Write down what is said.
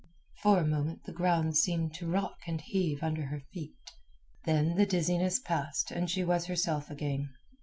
For a moment the ground seemed to rock and heave under her feet. Then the dizziness passed, and she was herself again.